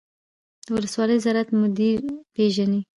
د ولسوالۍ د زراعت مدیر پیژنئ؟